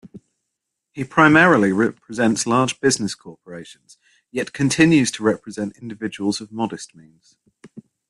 He primarily represents large business corporations, yet continues to represent individuals of modest means.